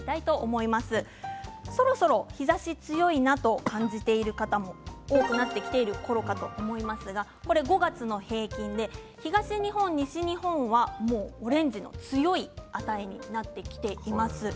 そろそろ日ざしが強いなと感じている方も多くなってきているころかと思いますが５月の平均で東日本、西日本はもうオレンジの強い値になってきています。